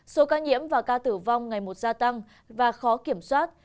số ca nhiễm và ca tử vong ngày một gia tăng và khó kiểm soát